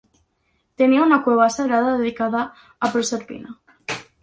Tenía una cueva sagrada dedicada a Proserpina.